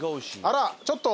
あらっちょっと。